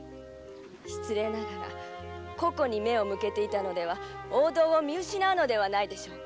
失礼ながら個々に目を向けていたのでは王道を見失うのではないでしょうか。